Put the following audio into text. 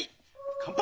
乾杯！